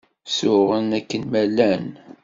Suɣen akken ma llan.